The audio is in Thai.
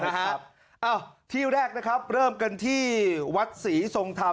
เอ้าที่แรกนะครับเริ่มกันที่วัดศรีทรงธรรม